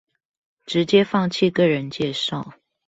直接放棄個人介紹